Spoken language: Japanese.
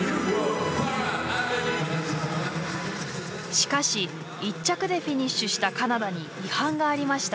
しかし１着でフィニッシュしたカナダに違反がありました。